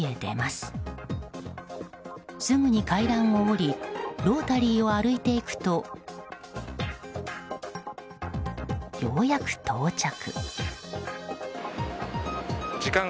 すぐに階段を降りロータリーを歩いていくとようやく到着。